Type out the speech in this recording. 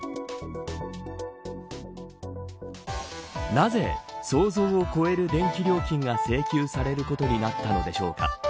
なぜ想像を超える電気料金が請求されることになったのでしょうか。